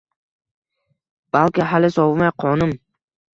Balki hali sovimay qonim